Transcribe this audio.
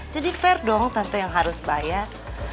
jadi fair dong tante yang harus bayar